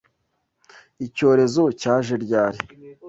Icyorezo cyaje ryari?